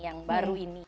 yang baru ini